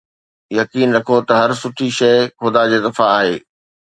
يقين رکو ته هر سٺي شيءِ خدا جي طرفان آهي